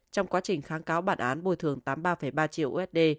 trong quá trình kháng cáo bản án bồi thường tám mươi ba ba triệu usd